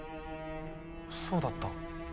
そうだった